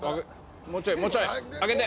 もうちょいもうちょい挙げて。